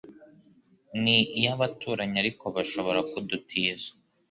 Ni iy'abaturanyi ariko bashobora kudutiza